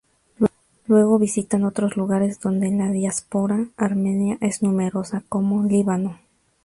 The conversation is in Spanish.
Luego visitan otros lugares donde la diáspora armenia es numerosa, como Líbano.